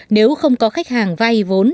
nếu không có khách hàng vay vốn